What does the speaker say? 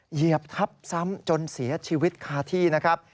เหยียบทับซ้ำจนเสียชีวิตคาที่นะครับ